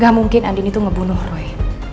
ga mungkin andini tuh ngebunuh roy